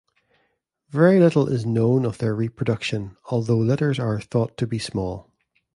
Very little is known of their reproduction, although litters are thought to be small.